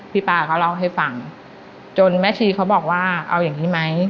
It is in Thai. ป้าเขาเล่าให้ฟังจนแม่ชีเขาบอกว่าเอาอย่างนี้ไหม